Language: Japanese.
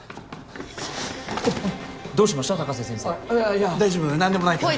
いや大丈夫なんでもないから。